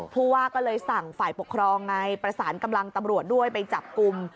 ผู้ว่าก็เลยสั่งฝ่ายปกครองไงประสานกำลังตำรวจด้วยไปจับกลุ่ม